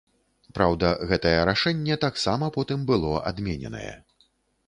Праўда, гэтае рашэнне таксама потым было адмененае.